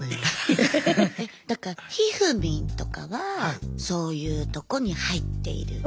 だからひふみんとかはそういうとこに入っている？